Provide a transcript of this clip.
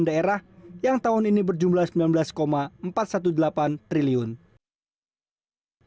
pemerintah juga menunda pengucuran dana alokasi umum satu ratus enam puluh enam delapan triliun rupiah